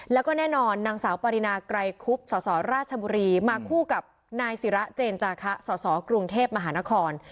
แล้วก็แน่นอนนางสาวปรินาไกรคุบสสราชบุรีมาคู่กับนายศิระเจนจาคะสสกรุงเทพมหานคร